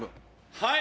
はい！